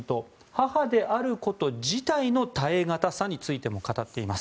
母であること自体の耐え難さについても語っています。